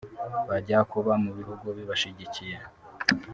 bajya kuba mu bihugu bibashyigikiye